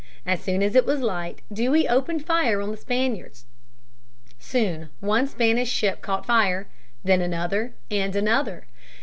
As soon as it was light Dewey opened fire on the Spaniards. Soon one Spanish ship caught fire, then another, and another.